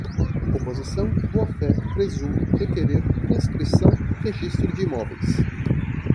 oposição, boa-fé, presume, requerer, transcrição, registro de imóveis